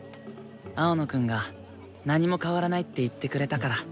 青野くんが「何も変わらない」って言ってくれたから。